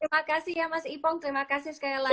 terima kasih ya mas ipong terima kasih sekali lagi